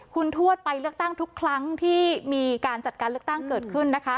คุณทวดไปเลือกตั้งทุกครั้งที่มีการจัดการเลือกตั้งเกิดขึ้นนะคะ